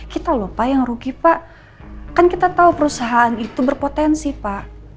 kita lupa yang rugi pak kan kita tahu perusahaan itu berpotensi pak